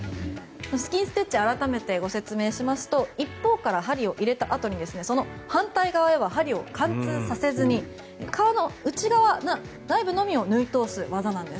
スキンステッチ改めてご説明いたしますと一方から針を入れたあとにその反対側には針を貫通させずに革の内側、内部のみを縫い通す技なんです。